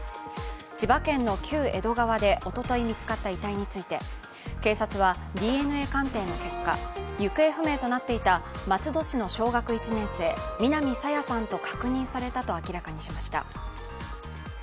千葉県の旧江戸川でおととい見つかった遺体について、警察はＤＮＡ鑑定の結果、行方不明となっていた松戸市の小学１年生南朝芽さんと確認されたと明らかにしました。